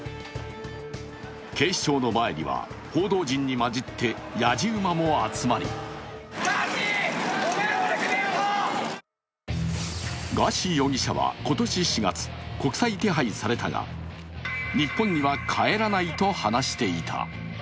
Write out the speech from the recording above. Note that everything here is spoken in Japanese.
警視庁の前には報道陣に交じってやじうまも集まりガーシー容疑者は今年４月、国際手配されたが、日本には帰らないと話していた。